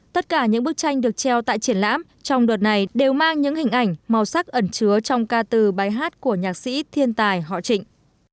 tất cả những bức tranh được treo tại triển lãm trong đợt này đều mang những hình ảnh màu sắc ẩn chứa trong ca từ bài hát của nhạc sĩ thiên tài họ trịnh